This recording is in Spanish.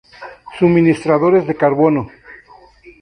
Suministradores de carbono.